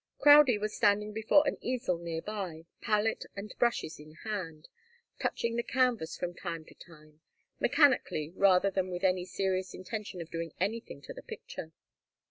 Crowdie was standing before an easel near by, palette and brushes in hand, touching the canvas from time to time, mechanically rather than with any serious intention of doing anything to the picture.